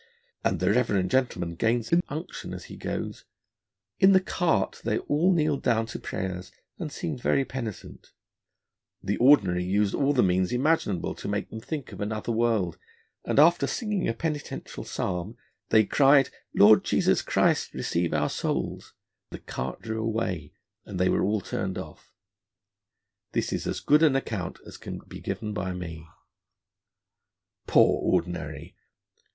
And the Reverend Gentleman gains in unction as he goes: 'In the Cart they all kneeled down to prayers and seemed very penitent; the Ordinary used all the means imaginable to make them think of another World, and after singing a penitential Psalm, they cry'd Lord Jesus Christ receive our Souls, the cart drew away and they were all turned off. This is as good an account as can be given by me.' Poor Ordinary!